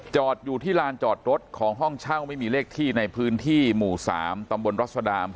อยู่ที่ลานจอดรถของห้องเช่าไม่มีเลขที่ในพื้นที่หมู่๓ตำบลรัศดาม